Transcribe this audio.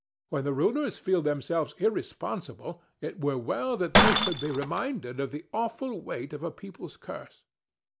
When the rulers feel themselves irresponsible, it were well that they should be reminded of the awful weight of a people's curse."